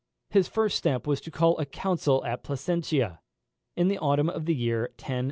His first step was to call a council at Placentia, in the autumn of the year 1095.